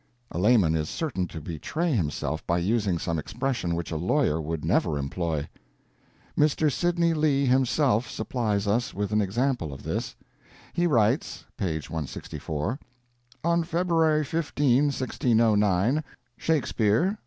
A layman is certain to betray himself by using some expression which a lawyer would never employ. Mr. Sidney Lee himself supplies us with an example of this. He writes (p. 164): "On February 15, 1609, Shakespeare...